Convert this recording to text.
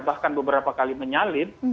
bahkan beberapa kali menyalit